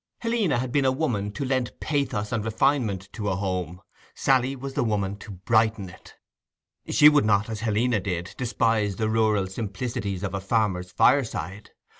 Helena had been a woman to lend pathos and refinement to a home; Sally was the woman to brighten it. She would not, as Helena did, despise the rural simplicities of a farmer's fireside.